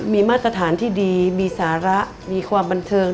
มีมาตรฐานที่ดีมีสาระมีความบันเทิง